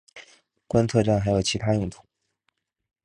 观测站还有其它用途。